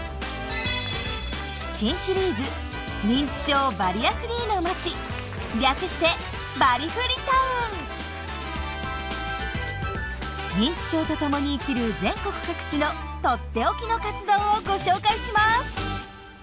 新シリーズ略して認知症とともに生きる全国各地のとっておきの活動をご紹介します。